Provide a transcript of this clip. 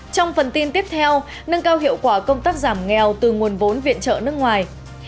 trong phần tin tiếp theo nâng cao hiệu quả công tác giảm nghèo từ nguồn vốn viện trợ nước ngoài